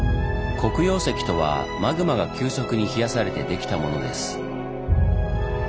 黒曜石とはマグマが急速に冷やされてできたものです。